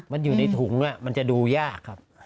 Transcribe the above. มันอยู่ในถุงมันจะดูยากครับ